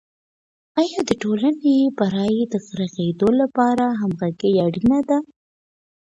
آیا د ټولني برایې د رغیدو لپاره همغږي اړینه ده؟